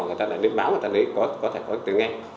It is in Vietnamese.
người ta lại lấy báo người ta lấy có thể có cái tiếng nghe